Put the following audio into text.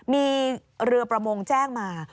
มีเรือประมงแจ้งมา